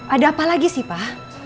ada apa lagi sih pak